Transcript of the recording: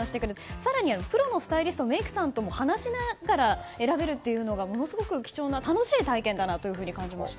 更に、プロのスタイリストメイクさんと話しながら選べるっていうのがものすごく貴重な楽しい体験だなと感じました。